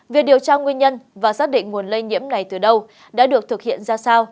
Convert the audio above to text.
việc điều tra nguyên nhân và xác định nguồn lây nhiễm này từ đâu đã được thực hiện ra sao